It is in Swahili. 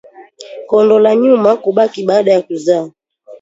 Kondo la nyuma kubaki baada ya kuzaa